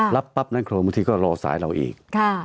เราก็รับทางนั้นโคนมธิร็าสายเราอีก